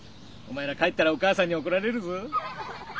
お前ら帰ったらお母さんにおこられるぞ。